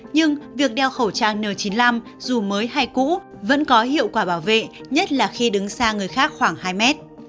nhưng việc đeo khẩu trang n chín mươi năm dù mới hay cũ vẫn có hiệu quả bảo vệ nhất là khi đứng xa người khác khoảng hai mét